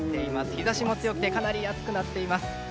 日差しも強くてかなり暑くなっています。